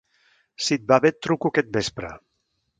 Si et va bé, et truco aquest vespre.